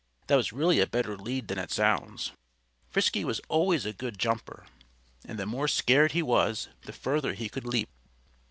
That was really a better lead than it sounds. Frisky was always a good jumper. And the more scared he was, the further he could leap.